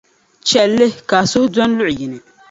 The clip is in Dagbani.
Chɛli li ka a suhu doni luɣ’ yini.